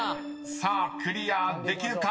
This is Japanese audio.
［さあクリアできるか？